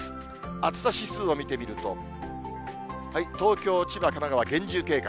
暑さ指数を見てみると、東京、千葉、神奈川、厳重警戒。